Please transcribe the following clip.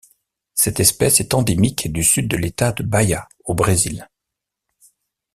Cette espèce est endémique du Sud de l'État de Bahia au Brésil.